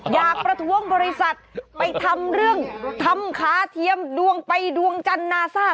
ประท้วงบริษัทไปทำเรื่องทำขาเทียมดวงไปดวงจันทร์นาซ่า